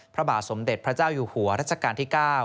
พระบาทสมเด็จพระเจ้าอยู่หัวรัชกาลที่๙